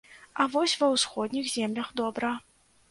А вось ва ўсходніх землях добра.